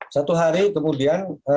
satu hari kemudian